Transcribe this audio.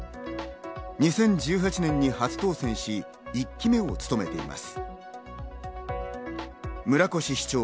２０１８年に初当選し、１期目を務めています。